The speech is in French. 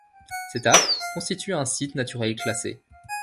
Cet arbre constitue un site naturel classé.